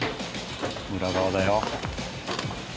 裏側だよ。